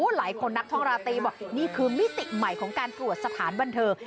หลายคนนักท่องราตรีบอกนี่คือมิติใหม่ของการตรวจสถานบันเทิง